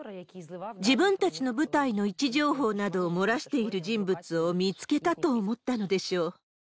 自分たちの部隊の位置情報などを漏らしている人物を見つけたと思ったのでしょう。